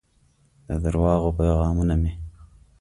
د درواغو پیغامونه مې